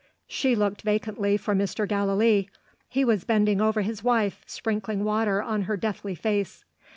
She looked vacantly for Mr. Gallilee. He was bending over his wife, sprinkling water on her deathly face.